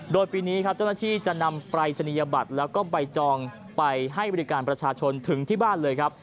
โดยปีนี้ครับเจ้าหน้าที่จะนำปรายศนียบัตรแล้วก็ใบจองไปให้บริการประชาชนถึงที่บ้านเลยครับ